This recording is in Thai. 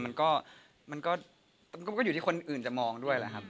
มันก็มันก็อยู่ที่คนอื่นจะมองด้วยแหละครับ